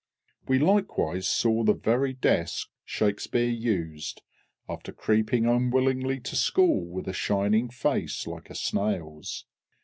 We likewise saw the very desk SHAKSPEARE used, after creeping unwillingly to school with a shining face like a snail's.